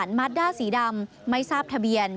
บริเวณบริเวณหรือมาล้าสีดำไม่ทราบทะเบียน